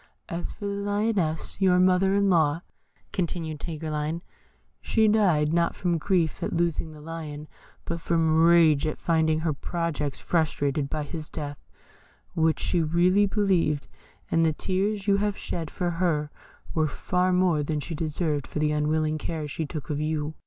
"As for the Lioness, your mother in law," continued Tigreline, "she died, not from grief at losing the Lion, but from rage at finding her projects frustrated by his death, which she really believed; and the tears you have shed for her were far more than she deserved for the unwilling care she took of you."